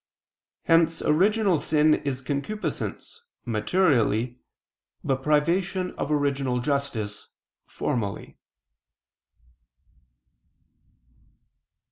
Hence original sin is concupiscence, materially, but privation of original justice, formally.